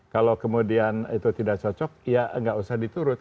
kalau kemudian itu tidak cocok ya nggak usah diturut